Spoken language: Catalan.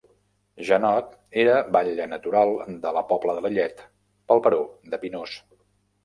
Janot era batlle natural de La Pobla de Lillet pel baró de Pinós.